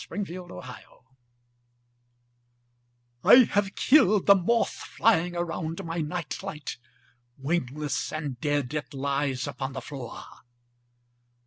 Moth Terror I HAVE killed the moth flying around my night light; wingless and dead it lies upon the floor.